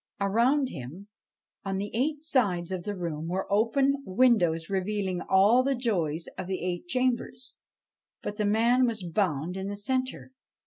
Around him, on the eight sides of the room, were open windows revealing all the joys of the eight chambers ; but the man was bound in the centre.